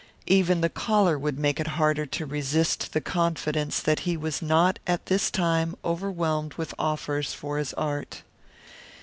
Even the collar would make it harder to resist the confidence that he was not at this time overwhelmed with offers for his art.